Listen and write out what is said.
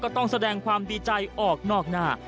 ต้องแสดงความดีใจออกนอกหน้า